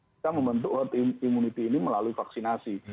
kita membentuk herd immunity ini melalui vaksinasi